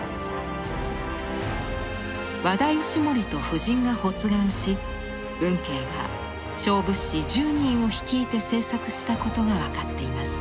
和田義盛と夫人が発願し運慶が小仏師１０人を率いて制作したことが分かっています。